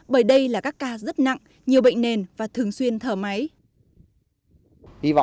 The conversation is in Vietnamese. bởi đây là các ca rất nặng nhiều bệnh nền và thường xuyên thở máy